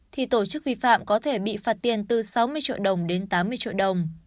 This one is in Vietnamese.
thì tổ chức vi phạm có thể bị phạt tiền từ sáu mươi triệu đồng đến tám mươi triệu đồng